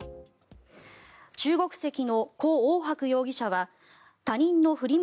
中国籍のコ・オウハク容疑者は他人のフリマ